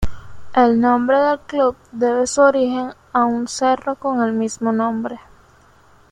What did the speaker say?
El nombre del club debe su origen a un cerro con el mismo nombre.